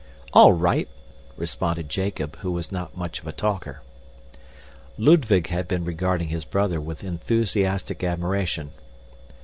"All right!" responded Jacob, who was not much of a talker. Ludwig had been regarding his brother with enthusiastic admiration.